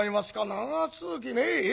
長続きねええ。